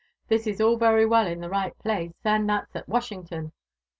This is ail very well in the righft piac^, and that's tl Washington.